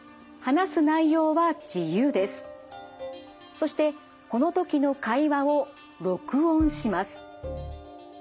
そしてこの時の会話を録音します。